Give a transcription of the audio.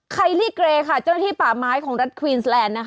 ไลลี่เกรค่ะเจ้าหน้าที่ป่าไม้ของรัฐควีนสแลนด์นะคะ